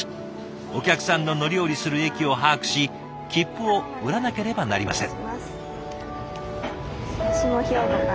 お客さんの乗り降りする駅を把握し切符を売らなければなりません。